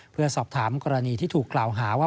เพื่อสอบถามกรณีที่ถูกกล่าวหาว่า